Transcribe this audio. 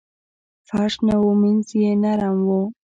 فرش نه و مینځ یې نرم و.